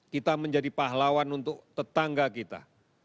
kita menjadi pahlawan untuk tetangga kita